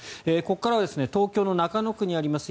ここからは東京の中野区にあります